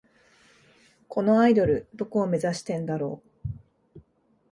このアイドル、どこを目指してんだろ